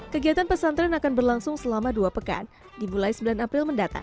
kegiatan pesantren akan berlangsung selama dua pekan dimulai sembilan april mendatang